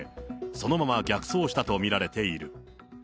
そのまま逆走したと見られている。